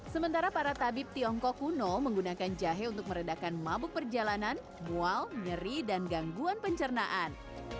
sementara para tabib tiongkok kuno menggunakan jahe untuk meredakan mabuk perjalanan mual nyeri dan gangguan pencernaan